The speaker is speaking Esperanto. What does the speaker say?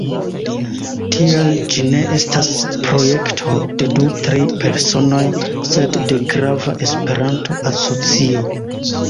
Tiel ĝi ne estas projekto de du-tri personoj, sed de grava Esperanto-asocio.